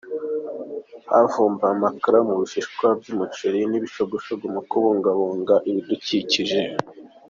Havumbuwe amakara yo mu bishishwa by’umuceri n’ibishogoshogo mu kubungabunga ibidukikije